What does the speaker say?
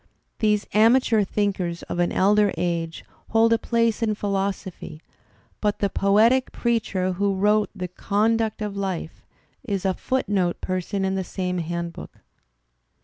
These amateur thinkers of an elder age hold a place in philosophy; but the poetic preacher who wrote "The Conduct of Life" is a footnote person in the same handbook.